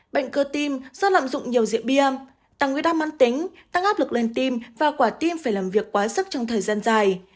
bệnh cơ tim do lạm dụng nhiều rượu bia tăng nguy cơ đam mắn tính tăng áp lực lên tim và quả tim phải làm việc quá sức trong thời gian dài